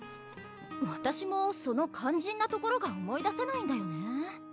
わたしもその肝心なところが思い出せないんだよね